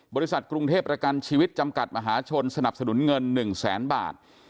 บริษัทกรุงเทพประกันชีวิตจำกัดมหาชนสนับสนุนเงิน๑แสนบาท